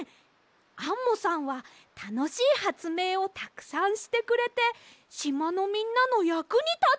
アンモさんはたのしいはつめいをたくさんしてくれてしまのみんなのやくにたっています！